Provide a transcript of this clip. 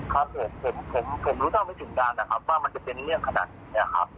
ครับผมผมรู้เท่าไม่ถึงการนะครับว่ามันจะเป็นเรื่องขนาดนี้นะครับ